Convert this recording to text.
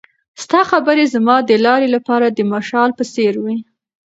ستا خبرې زما د لارې لپاره د مشال په څېر وې.